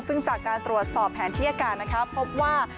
ซึ่งจากการตรวจสอบแผนที่อากาศนะคะพบว่า